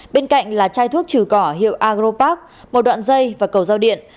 bên cạnh là chai thuốc trừ cỏ hiệu agropark một đoạn dây và cầu giao điện